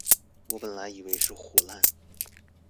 我本來以為是唬爛